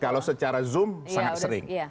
kalau secara zoom sangat sering